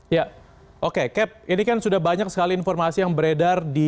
ya oke cap ini kan sudah banyak sekali informasi yang beredar di